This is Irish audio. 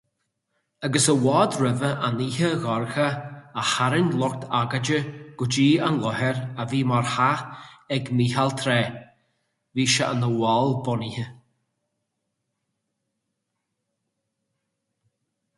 Agus i bhfad roimh an oíche dhorcha a tharraing lucht agóide go dtí an láthair a bhí mar theach ag Mícheál tráth, bhí sé ina bhall bunaithe.